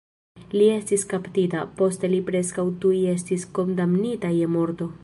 Li estis kaptita, poste li preskaŭ tuj estis kondamnita je morto.